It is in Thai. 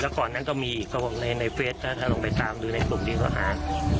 ก่อนนั้นก็มีอีกในเฟสถ้าลองไปตามดูในกลุ่มที่เขาหา